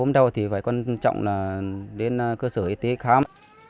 ôm đau thì phải quan trọng là đến cơ sở y tế khám